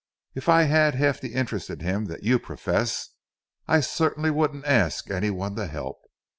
If I had half the interest in him that you profess, I certainly wouldn't ask any one to help.